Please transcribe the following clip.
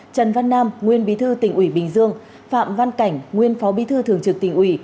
trần văn nam nguyên bí thư tỉnh ủy bình dương phạm văn cảnh nguyên phó bí thư thường trực tỉnh ủy